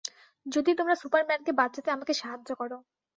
যদি তোমরা সুপারম্যানকে বাঁচাতে আমাকে সাহায্য করো।